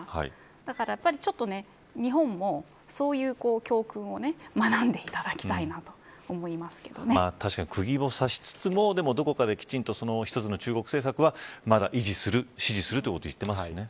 だから、ちょっと日本もそういう教訓を学んでいただきたいなと確かに、くぎを刺しつつもどこかできちんと１つの中国政策はまだ支持するということを言ってますよね。